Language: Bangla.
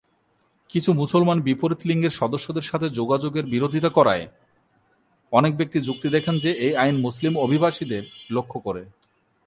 কিছু মুসলমান বিপরীত লিঙ্গের সদস্যদের সাথে যোগাযোগের বিরোধিতা করায়, অনেক ব্যক্তি যুক্তি দেখান যে এই আইন মুসলিম অভিবাসীদের লক্ষ্য করে।